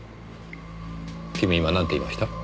君今なんて言いました？